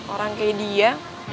orang kayak dia